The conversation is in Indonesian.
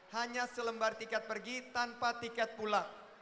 hanya selembar tiket pergi tanpa tiket pulang